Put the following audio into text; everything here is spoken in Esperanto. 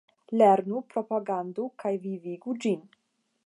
Lernu, propagandu kaj vivigu ĝin!